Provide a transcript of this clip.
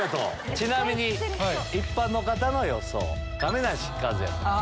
ちなみに一般の方の予想。